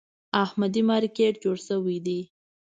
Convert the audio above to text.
احمدي مارکېټ جوړ شوی دی.